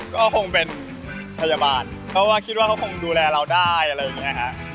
ก็คงเป็นพยาบาลเพราะว่าคิดว่าเขาคงดูแลเราได้อะไรอย่างนี้ฮะ